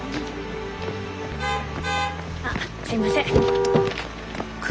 ・あすいません。